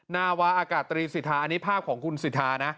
นาวาอากาศตรีสิทธาอันนี้ภาพของคุณสิทธานะ